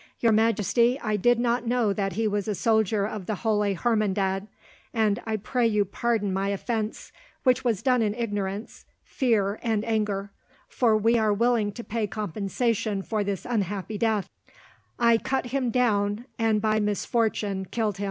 Your Majesty, I did not know that he was a soldier of the Holy Hermandad, and I pray you pardon my offence, which was done in ignorance, fear, and anger, for we are willing to pay compensation for this unhappy death."